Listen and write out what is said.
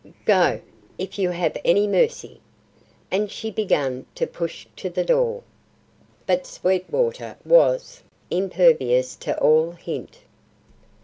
Go, if you have any mercy." And she began to push to the door. But Sweetwater was impervious to all hint.